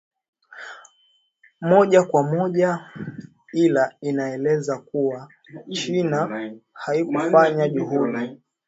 moja kwa moja ila inaeleza kuwa china haikufanya juhudi